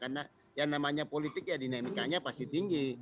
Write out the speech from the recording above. karena yang namanya politik ya dinamikanya pasti tinggi